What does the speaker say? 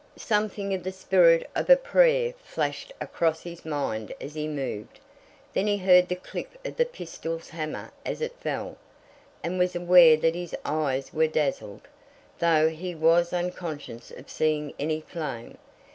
Something of the spirit of a prayer flashed across his mind as he moved. Then he heard the click of the pistol's hammer as it fell, and was aware that his eyes were dazzled, though he was unconscious of seeing any flame.